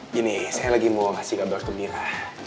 gini saya lagi mau kasih kabar ke mira